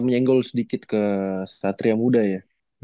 menyenggol sedikit ke satria muda ya